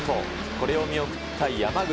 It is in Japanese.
これを見送った山口。